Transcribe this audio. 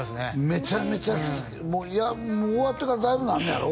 めちゃめちゃもう終わってからだいぶなんねやろ？